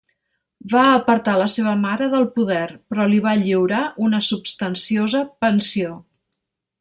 Va apartar la seva mare del poder, però li va lliurar una substanciosa pensió.